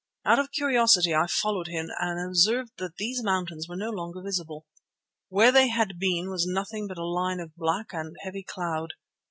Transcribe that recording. Out of curiosity I followed him and observed that these mountains were no longer visible. Where they had been was nothing but a line of black and heavy cloud.